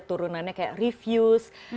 turunannya kayak refuse